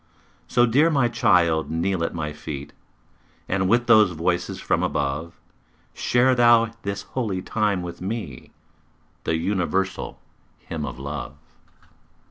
So, dear my child, kneel at my feet, And with those voices from above Share thou this holy time with me, The universal hymn of love.